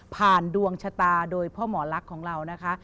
ผ่านดวงชะตาโดยพ่อหมอรักของเรานะคะ